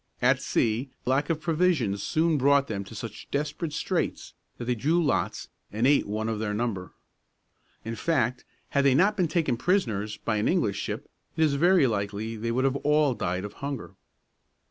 At sea, lack of provisions soon brought them to such desperate straits that they drew lots and ate one of their number. In fact, had they not been taken prisoners by an English ship, it is very likely they would all have died of hunger.